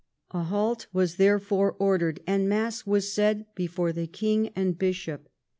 A halt was therefore ordered, and mass was said before the king and bishop.